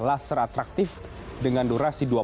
laser atraktif dengan durasi